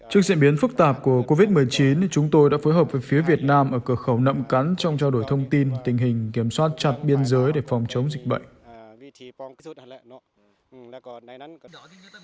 trước diễn biến phức tạp của covid một mươi chín chúng tôi đã phối hợp với phía việt nam ở cửa khẩu nậm cắn trong trao đổi thông tin tình hình kiểm soát chặt biên giới để phòng chống dịch bệnh